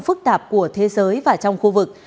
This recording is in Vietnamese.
phức tạp của thế giới và trong khu vực